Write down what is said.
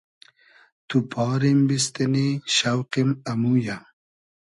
تو پاریم بیستینی شۆقیم امویۂ